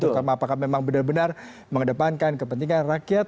terutama apakah memang benar benar mengedepankan kepentingan rakyat